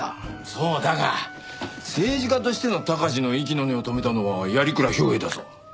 そうだが政治家としての鷹児の息の根を止めたのは鑓鞍兵衛だぞ。